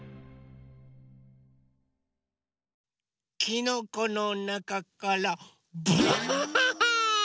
きのこのなかからばあっ！